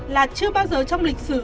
là chưa bao giờ trong lịch sử